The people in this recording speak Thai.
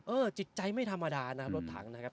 เอ่อจิตใจไม่ธรรมดานะรถถังนะครับ